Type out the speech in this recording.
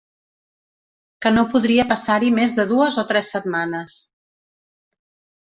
Que no podria passar-hi més de dues o tres setmanes.